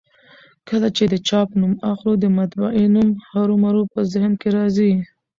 کله چي د چاپ نوم اخلو؛ د مطبعې نوم هرومرو په ذهن کي راځي.